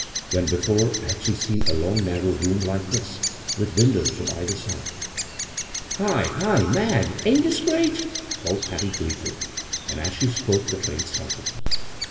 When be fore had she seen a long narrow room like this with windows on either side ? "Hi, hi, Mag] ain't dis great?" called *44 b, Google CROSS CURRENTS Patty, gleefully. And as she spoke the train started.